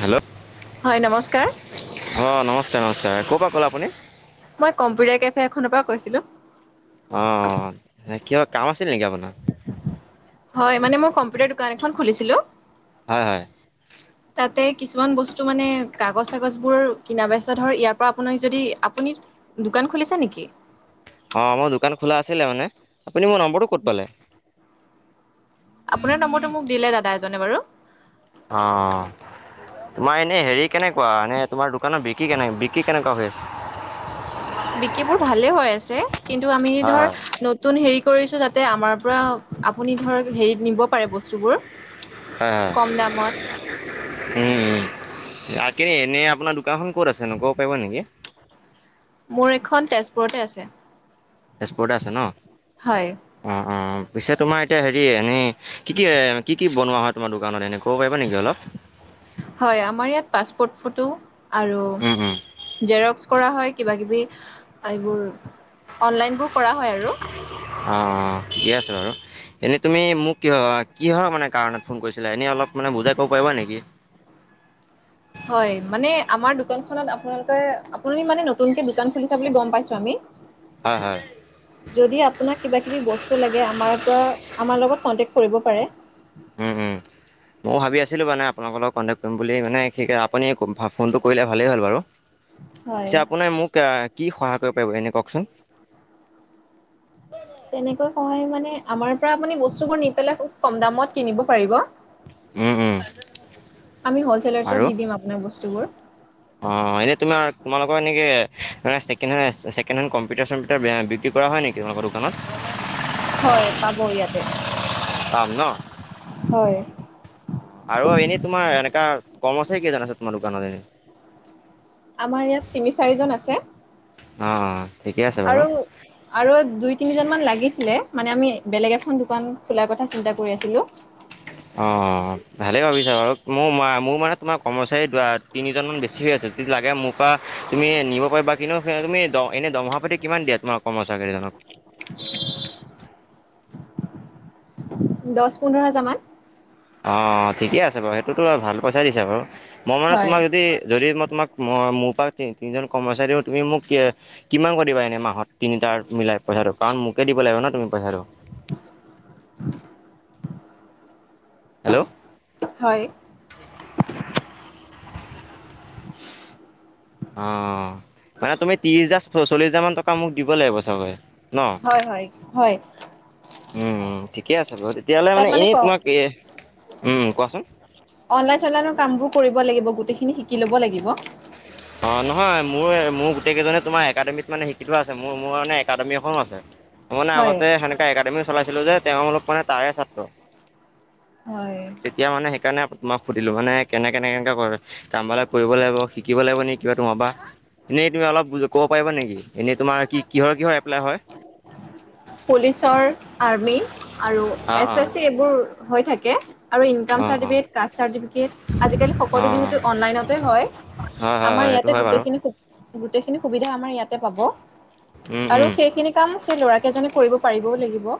Hello হয়, নমস্কাৰ। [unintelligible] অ, নমস্কাৰ-নমস্কাৰ। ক'ৰ পৰা ক'লে আপুনি? [unintelligible] মই কম্পিউটাৰ কেফে এখনৰ পৰা কৈছিলোঁ। অঁ। কিবা কাম আছিল নেকি আপোনাৰ? [inaudible] হয়। মানে মই কম্পিউটাৰ দোকান এখন খুলিছিলোঁ। [unintelligible] হয়-হয়। [inaudible] তাতে কিছুমান বস্তু মানে, কাগজ-চাগজবোৰ কিনা-বেচা ধৰ ইয়াৰ পৰা আপোনাৰ যদি, আপুনি [unintelligible] দোকান খুলিছে নেকি? [inaudible] অ‍ঁ, মোৰ দোকান খোলা আছিলে মানে। আপুনি মোৰ নম্বৰটো ক'ত পালে? [unintelligible] আপোনাৰ নম্বৰটো মোক দিলে দাদা এজনে বাৰু। [unintelligible] অঁ-অঁ। তোমাৰ এনে হেৰি কেনেকুৱা? এনে তোমাৰ দোকানত বিক্ৰী কেনে [unintelligible] বিক্ৰী কেনেকুৱা হৈ আছে? বিক্ৰীবোৰ ভালে হৈ আছে। কিন্তু আমি হয় ধৰ হয় নতুন [unintelligible] নতুন হেৰি কৰিছোঁ যাতে আমাৰ পৰা আপুনি ধৰক হেৰিত নিব [unintelligible] নিব পাৰে বস্তুবোৰ, কম দামত। [unintelligible] [unintelligible] উম-উম। তাকে এনে আপোনাৰ দোকানখন ক'ত আছেনো ক'ব পাৰিব নেকি? মোৰ এইখন তেজপুৰতে আছে। [unintelligible] তেজপুৰতে আছে ন? হয় উম-উম, পিছে তোমাৰ এতিয়া হেৰি এনেই [unintelligible] কি-কি, এ কি-কি বনোৱা হয় তোমাৰ দোকানত এনে ক'ব পাৰিবা নেকি অলপ? [unintelligible] হয়। আমাৰ ইয়াত পাছপোৰ্ট ফটো আৰু অলপ [unintelligible] জেৰক্স কৰা হয় কিবাকিবি এইবোৰ, অনলাইনবোৰ কৰা হয় আৰু। [inaudible] অঁ-অঁ, ঠিকে আছে বাৰু। [unintelligible] এনেই তুমি মোক কিয় কিহৰ মানে কাৰণত ফোন কৰিছিলা, এনেই অলপ মানে বুজাই কব পাৰিবা নেকি? [unintelligible] হয়। মানে আমাৰ দোকানখনত আপোনালোকে আপুনি মানে নতুনকে দোকান খুলিছে বুলি গম পাইছোঁ আমি। [unintelligible] হয়-হয়। যদি আপোনাক কিবাকিবি বস্তু লাগে, আমাৰ পৰা আমাৰ লগত কণ্টেক্ট কৰিব পাৰে। [inaudible] উম উম [inaudible] ময়ো ভাবি আছিলোঁ মানে, আপোনালোকৰ লগত কণ্টেক্ট কৰিম বুলি, মানে সেইটো আপুনি ফোনটো কৰিলে ভালেই হ'ল বাৰু। [unintelligible] হয় পিছে আপুনি মোক [unintelligible] এ কি সহায় কৰিব পাৰিব এনেই কওঁকচোন? তেনেকৈ সহায় মানে আমাৰ পৰা আপুনি বস্তুবোৰ নি পেলাই খুব কম দামত কিনিব পাৰিব। [unintelligible] উম উম [inaudible] আমি হলছেলাৰছত দি দিম আপোনাক বস্তুবোৰ। অঁ। এনেই তোমাক তোমালোকৰ এনেকে মানে ছেকেণ্ড হেণ্ড, ছেকেণ্ড হেণ্ড কম্পিউটাৰ-চম্পিউটাৰ বিক্ৰী কৰা হয় নেকি? [unintelligible] তোমালোকৰ দোকানত। হয় পাব ইয়াতে [unintelligible] পাম ন? হয়। আৰু এনেই তোমাৰ এনেকা কৰ্মচাৰীকেইজন আছে তোমাৰ দোকানত এনেই? [unintelligible] আমাৰ ইয়াত তিনি-চাৰিজন আছে। অঁ। আৰু আৰু দুই-তিনিজন মান লাগিছিলে মানে আমি বেলেগ এখন দোকান খোলাৰ কথা চিন্তা কৰি আছিলোঁ। [unintelligible] অঁ ভালেই ভাবিছা বাৰু মোৰ মা [unintelligible] মোৰ মানে তোমাৰ কৰ্মচাৰী [unintelligible] তিনিজনমান বেছি হৈ আছে। যদি লাগে মোৰ পৰা তুমি নিব পাৰিবা। [unintelligible] কিন্তু তুমি দ [unintelligible] এনেই দৰমহা পাতি কিমান দিয়া তোমাৰ কৰ্মচাৰীকেইজনক? [inaudible] [unintelligible] দহ-পোন্ধৰ হাজাৰ মান। অঁ, ঠিকে আছে বাৰু সেইটোতো ভাল পইচা দিছে বাৰু। মই মানে হয় তোমাক যদি-যদি মই তোমাক [unintelligible] মই মোৰ পৰা তিনিজন কৰ্মচাৰীও তুমি মোক কিমান কৰিবা এনে মাহত তিনিটাৰ মিলাই পইচাটো কাৰণ মোকে দিব লাগিব ন তুমি পইচাটো হেল্ল' হয় [unintelligible] অ মানে তুমি ত্ৰিশ হাজাৰ চল্লিশ হাজাৰ মান টকা মোক দিব লাগিব চাগৈ ন হয় হয় হয় উম ঠিকে আছে বাৰু তেতিয়াহলে তাত মানে এনে ক তোমাক এ উম কোৱাচোন অনলাইন চনলাইনৰ কামবোৰ কৰিব লাগিব গোটেইখিনি শিকি লব লাগিব অ নহয় মোৰ মোৰ গোটেই কেইজনে তোমাৰ একাডেমীত মানে শিকিথোৱা আছে মোৰ মোৰ মানে একাডেমী এখনো আছে মানে হয় আগতে সেনেকা একাডেমি চলাইছিলোঁ যে তেওঁ অলপ মানে তাৰে ছাত্ৰ হয় তেতিয়া মানে সেইকাৰণে মই সুধিলোঁ মানে কেনে কেনে কেনেকে কামবিলাক কৰিব লাগিব শিকিব লাগিব কিবা তোমাৰ পৰা এনেই তুমি অলপ ক'ব পাৰিবা নেকি এনেই তোমাৰ কিহৰ কিহৰ এপ্লাই হয় পুলিচৰ আৰ্মি আৰু অ', এছ এ অ', চি এইবোৰ হৈ থাকে আৰু ইনকাম অ', অ', অ', চাৰ্টিফিকেট কাষ্ট চাৰ্টিফিকেট আজিকালি সকলো হয় যিহেতু অনলাইনতে হয় হয় আমাৰ হয় সেইটো ইয়াতে হয় বাৰু গোটেইখিনি সুবিধা গোটেইখিনি সুবিধা আমাৰ ইয়াতে উম, পাব আৰু উম। সেইখিনি কাম সেই ল'ৰা কেইজনে কৰিব পাৰিবও লাগিব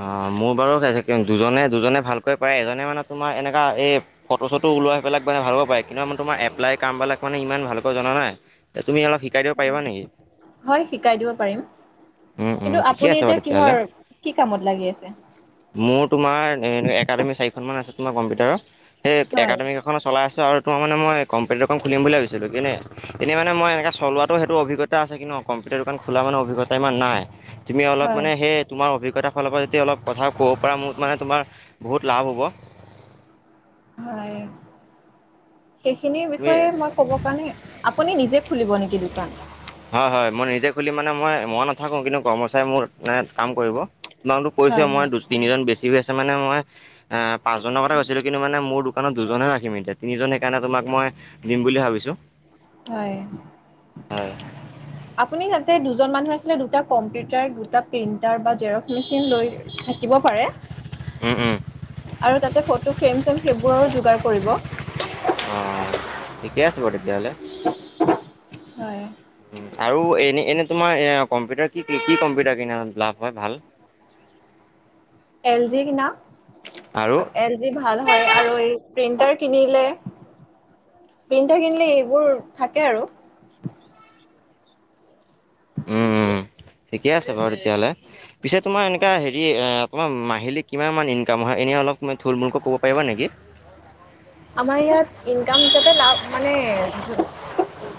অ মোৰ বাৰু দুজনে দুজনে ভালকৈ পাৰে এজনে মানে তোমাৰ এনেকা এই ফটো চটো ওলাই পেলাক মানে ভালকৈ পাৰে কিন্তু তোমাৰ এপ্লাই কামবিলাক মানে ইমান ভালকৈ জনা নাই তুমি অলপ শিকাই দিব পাৰিবা নেকি? হয় শিকাই দিব পাৰিম উম, উম, কিন্তু ঠিকে আপুনি আছে বাৰু এতিয়া তেতিয়াহ'লে কিহৰ কি কামত লাগি আছে মোৰ তোমাৰ একাডেমি চাৰিখন মান আছে তোমাৰ কম্পিউটাৰৰ সেই হয় একাডেমিক এখনো চলাই আছো আৰু তাৰমানে মই কম্পিউটাৰ এখন খুলিম বুলি ভাবিছিলোঁ কিনে এনেই মান মই এনেকৈ চলোৱাটো সেইটো অভিজ্ঞা আছে কিন্তু কম্পিউটাৰ দোকান খোলা মানে অভিজ্ঞতা ইমান নাই তুমি অলপ হয় মানে সেই তোমাৰ অভিজ্ঞতাৰ ফালৰ পৰা যদি অলপ কথা ক'ব পৰা মোৰ মানে তোমাৰ বহুত লাভ হ'ব হয় সেইখিনিৰ তুমি বিষয়ে মই ক'ব কাৰণে আপুনি নিজে খুলিব নেকি দোকান হয় হয় মই নিজে খুলি মানে মই মই নাথাকো কিন্তু কৰ্মচাৰী মোৰ মানে কাম কৰিব তোমাকটো হয় কৈছোয়ে মই হয় তিনিজন বেছি হৈ আছে মানে মই অ পাঁচজনৰ কথা কৈছিলো কিন্তু মানে মোৰ দোকানত দুজনহে ৰাখিম এতিয়া তিনিজনে সেইকাৰণে তোমাক মই দিম বুলি ভাবিছোঁ হয় হয় আপুনি তাতে দুজন মানুহ আছিলে দুটা কম্পিউটাৰ দুটা প্ৰিন্টাৰ বা জেৰক্স মেচিন লৈ থাকিব পাৰে উম উম আৰু তাতে ফটো ফ্ৰেম- চেম সেইবোৰৰো যোগাৰ কৰিব। অ থিকে আছে বাৰু তেতিয়াহলে। হয় আৰু এনে এনে তোমাৰ এ কম্পিউটাৰ কি কি কি কম্পিউটাৰ কি লাভ হয় ভাল? এল জি কিনা, আৰু এল জি ভাল হয় আৰু এই প্ৰিন্টাৰ কিনিলে প্ৰিণ্টাৰ কিনিলে এইবোৰ থাকে আৰু উম উম [inaudible] ঠিকে আছে বাৰু তেতিয়াহ'লে। পিছে তোমাৰ এনেকা হেৰি তোমাৰ মাহিলী কিমান মান ইনকাম হয় এনেই অলপ থুলমূলকৈ'ব পাৰিবা নেকি? আমাৰ ইয়াত ইনকাম হিচাপে লাভ মানে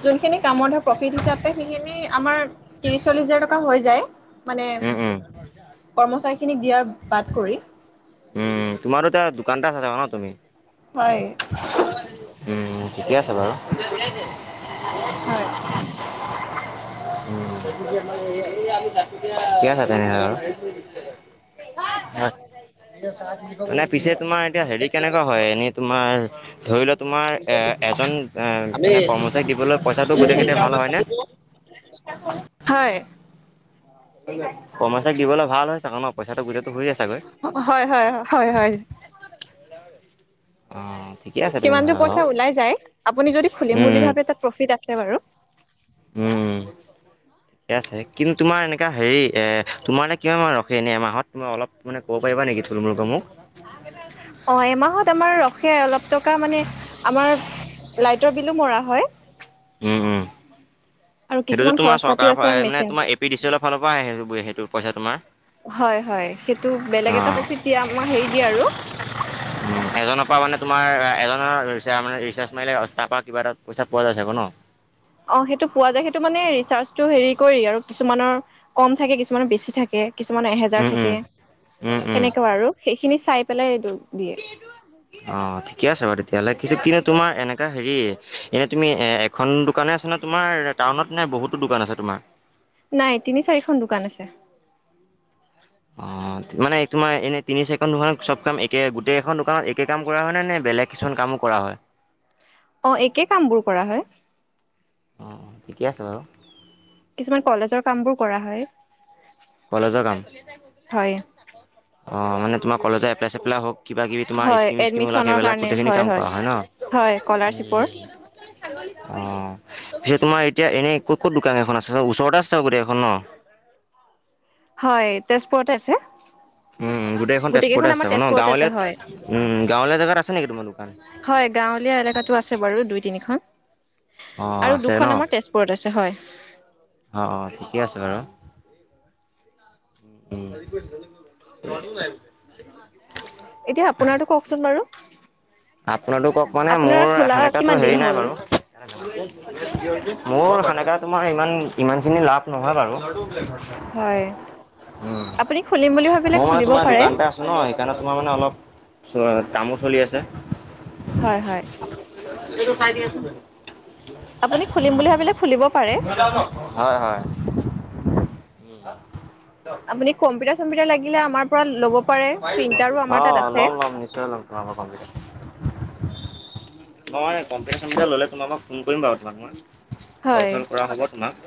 যোনখিনি কামৰ প্ৰফিট হিচাপে সেইখিনি আমাৰ ত্ৰিশ, চল্লিশ হাজাৰ টকা হৈ যায়। মানে উম উম কৰ্মচাৰী খিনিক দিয়াৰ বাদ কৰি। উম তোমাৰটো এতিয়া দোকানতে থাকা ন তুমি? হয়। উম ঠিকে আছে বাৰু। হয়। উম। ঠিকে আছে তেনেহলে বাৰু। হয়, মানে পিছে তোমাৰ এতিয়া হেৰি কেনেকুৱা হয় এনে তো তোমাৰ ধৰি লোৱা তোমাৰ এজন আমি মানে কৰ্মচাৰীক দিবলৈ পইচাটো হয়। গোটেইকেইটা ভাল হয়নে? হয় কৰ্মচাৰীক দিবলৈ ভাল হয় চাগে ন পইচাটো গোটে হয় হয় হয় হয়। অঁ ঠিকে আছে সিমানটো তেনেহ'লে বাৰু। পইচা ওলাই যায়, আপুনি যদি খুলিম বুলি উম, ভাবে তাত প্ৰফিট আছে বাৰু। উম। [inaudible] ঠিকে আছে কিন্তু তোমাৰ এনেকা হেৰি তোমাৰ এনে কিমান মান ৰখে এনেই এমাহত? মই অলপ মানে কব পাৰিবা নেকি থুলমূলকে মোক? অ এমাহত আমাৰ ৰখে অলপ টকা মানে, আমাৰ লাইটৰ বিলো মৰা হয়। Home home. আৰু সেইটোতো কিছুমান তোমাৰ খৰচ পাতিও চৰকাৰৰ আছে মানে মেচিনটো তোমাৰ A P D C L ৰ ফালৰ পৰা আহে সেইটো পইচা তোমাৰ? হয় হয়, সেইটো বেলেগ এটা প্ৰফিট দিয়ে আমাৰ হেৰি দিয়ে আৰু। উম এজনৰ পৰা মানে তোমাৰ এজনৰ ৰিচাৰ্জ মাৰিলে তাৰ পৰা কিবা এটা পইচা পোৱা যায় চাগৈ ন? অঁ সেইটো পোৱা যায় সেইটো মানে ৰিচাৰ্জটো হেৰি কৰি আৰু কিছুমানৰ কম থাকে কিছুমানৰ বেছি থাকে। কিছুমানৰ এহেজাৰ উম উম থাকে উম উম। সেনেকুৱা আৰু সেইখিনি চাই পেলাই দি অঁ ঠিকে আছে বাৰু তেতিয়াহলে কিন্তু তোমাৰ এনেকা হেৰি এনে তুমি এ খন দোকানেই আছে নে তোমাৰ টাউনত নে বহুতো দোকান আছে তোমাৰ? নাই তিনি, চাৰিখন দোকান আছে। অঁ [inaudible] মানে তোমাৰ এনেই তিনি চাৰি খন দোকানত চব কাম একে গোটেই কেইখন দোকানত একে কাম কৰা হয়নে নে বেলেগ কিছুমান কামো কৰা হয়? অ একে কামবোৰ কৰা হয়। অ অ ঠিকে আছে বাৰু। কিছুমান কলেজৰ কাম বোৰ কৰা হয়। কলেজৰ কাম? হয় অ মানে তোমাৰ কলেজৰ এপ্লাই চেপ্লাই হওঁক কিবা কিবি তোমাৰ হয় স্কিম -চিস্কিম ওলোৱা এডমিশনৰ সেইবিলাক কাৰণে গোটেইখিনি কাম কৰা হয় হয় স্কলাৰশ্বিপৰ ন? অহহ। পিছে তোমাৰ এতিয়া এনে ক'ত ক'ত দোকান কেইখন আছে ওচৰতে আছে চাগে গোটেই কেইখন ন? হয় তেজপুৰতে আছে। উম গোটেইকেইখন তেজপুৰতে আমাৰ আছে আক ন। তেজপুৰতে আছে হয় গাঁৱলীয়া উম গাঁৱলীয়া জেগাত আছে নেকি তোমাৰ দোকান? হয়, গাঁৱলীয়া এলেকাতো আছে বাৰু দুই তিনিখন। অ', আৰু আছে ন দুখন আমাৰ তেজপুৰত আছে হয়। অ' অ' ঠিকে আছে বাৰু। উম, ল'ৰা টো নাই পিছে [unintelligible] এতিয়া আপোনাটোৰ কওঁকচোন বাৰু। আপোনাটোৰ ক'ক মানে আপোনাৰ মোৰ খোলা সেনেককাতো কিমান হেৰি দিন নাই হ'ল বাৰু। মোৰ সেনেক তোমাৰ ইমান ইমানখিনি লাভ নহয় বাৰু। হয়, উম, আপুনি খুলিম বুলি ভাবিলে, খুলিব পাৰে। নহয়, সেইকাৰণে তোমাৰ মানে অলপ চ কামো চলি আছে। হয়, হয়। এইতো চাই দিয়াচোন। আপুনি খুলিম বুলি ভাবিলে, খুলিব পাৰে। হয়, হয়। উম। আপুনি কম্পিউটাৰ চমম্পিউটাৰ লাগিলে আমাৰ পৰা ল'ব পাৰে প্ৰিন্টাৰো আমাৰ তাত অ' আছে ল'ম ল'ম নিশ্চয় ল'ম তোমালৰ কম্পিউটাৰ মই কম্পিউটাৰ চমম্পিউটাৰ ল'লে তোমাকক ফোন কৰিম বাৰু তোমাক মই ক'ল হয় চল কৰা হ'ব তোমাক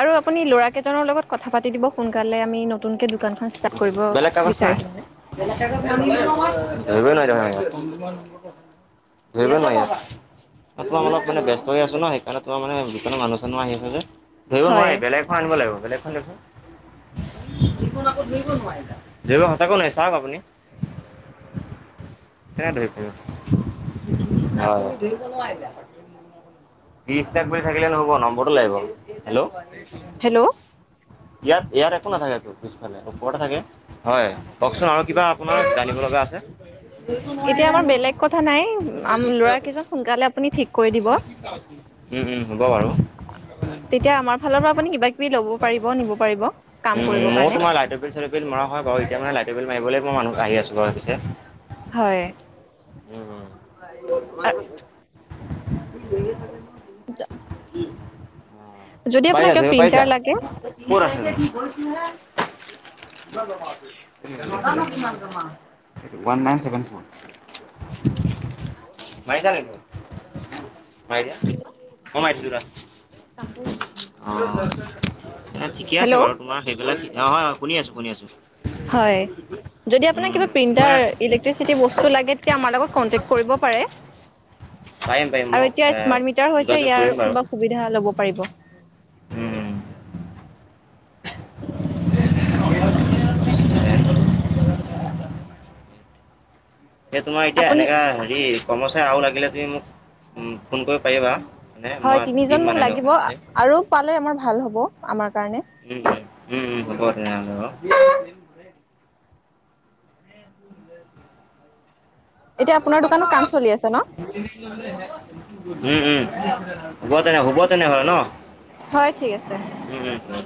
আৰু আপুনি ল'ৰাকেইজনৰ লগত কথা পাতি দিব সোনকালে আমি নতুনকে দোকানখন ষ্টাৰ্ট কৰিব বিচাৰিছোঁ মানে। আনি দিব মই ধৰিবই নোৱাৰি। ধৰিব নোৱাৰি। ৰাতিপুৱা মানত ব্যস্ত হৈ আছোঁ ন হেইকাৰণে তোমাৰ মানে দোকান মানুহ চানুহ আহি আছে যে ধৰিব হয় নোৱাৰি বেলেগখন আনিব লাগিব বেলেগখন আনিব একো নহয়। ধৰিব নোৱাৰি সঁচাকৈ নোৱাৰি চাওঁক আপুনি। কেনেকৈ ধৰিব পাৰিব আহ ইষ্টাট বুলি থাকিলে নহ'ব নম্বৰটো লাগিব। হেল্ল' হেল্ল' ইয়াত ইয়াত একো নাথাকে তো পিছফালে ওপৰতে থাকে। হয়, কওঁকচোন আৰু কিবা আপোনাৰ জানিব লগা আছে? বিলটো মই হে এতিয়া আমাৰ জানোঁ বেলেগ কথা নাই আম ল'ৰা কেইজন সোনকালে আপুনি ঠিক কৰি দিব। [unintelligible] উম, উম, হ'ব বাৰু। তেতিয়া, আমাৰ ফালৰ পৰা আপুনি কিবা কিবি ল'ব পাৰিব নিব পাৰিব কাম উম উম কৰিবৰ ময়ো কাৰণে তোমাৰ লাইটৰ বিল চাইটৰ বিল মৰা হয় বাৰু। এতিয়া মানে লাইট বিল মাৰিবলে মই মানুহ আহি আছোঁ বাৰু পিছে হয়। উম উম [unintelligible] [unintelligible] যদি পাৰিছা আপোনাক কিবা ধৰিব পাৰিছা প্ৰিন্টাৰ লাগে ক'ত আছে [unintelligible] ওৱান নাইন ছেভেন ফ'ৰ ঠিকে টো মাৰিছা নেকি, মাৰি দিয়া, মই মাৰি দিছোঁ এই কাম কৰি আছে। অ' ঠিকে আছে বাৰু। তোমাৰ সেইবিলাক অ' হয়, শুনি আছোঁ, শুনি আছোঁ। হয়, যদি আপোনাৰ উম, কিবা প্ৰিন্টাৰ তোমাৰ ই ইলেক্ট্ৰিক চিটি বস্তু লাগে তেতিয়া আমাৰ লগত কণ্টেক্ট কৰিব পাৰে। পাৰিম পাৰিম মো তিয়া স্মাৰ্ট মিটাৰ হৈছে ইয়াৰ কিবা সুবিধা ল'ব পাৰিব। উম। [unintelligible] এই তোমাৰ এতিয়া আপুনি এনেকুৱা হেৰি কৰ্মচাৰী আৰু লাগিলে তুমি মোক ফোন কৰিব পাৰিবা। মানে হয় মই দিম তিনিজন মোক মানে এনেকুৱা লাগিব কৰ্মচাৰী আৰু পালে আমাৰ ভাল হ'ব আমাৰ কাৰণে উ উম উম উম হ'ব তেনেহলে বাও। [unintelligible] [unintelligible] এতিয়া আপোনাৰ দোকানত কাম চলি আছে ন? [unintelligible] উম উম [unintelligible] হ'ব তেনে হ'ব তেনে হয় ন হয় ঠিক আছে। উ উ